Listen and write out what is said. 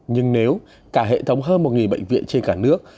nhưng nếu cả hệ thống hơn một bệnh viện trên cả nước